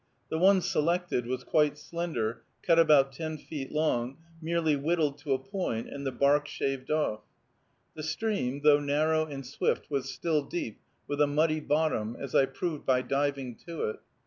The one selected was quite slender, cut about ten feet long, merely whittled to a point, and the bark shaved off. The stream, though narrow and swift, was still deep, with a muddy bottom, as I proved by diving to it.